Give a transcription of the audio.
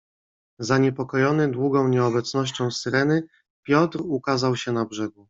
"Zaniepokojony długą nieobecnością Syreny, Piotr ukazał się na brzegu."